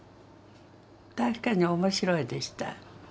確かに面白いでした。